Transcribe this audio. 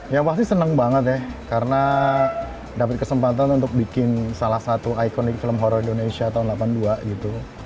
ya pasti senang banget ya karena dapat kesempatan untuk bikin salah satu ikonik film horror indonesia tahun seribu sembilan ratus delapan puluh dua gitu